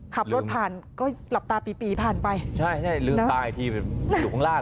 ขับรถผ่านก็หลับตาปีปีผ่านไปใช่ใช่ลืมตาอีกทีอยู่ข้างล่าง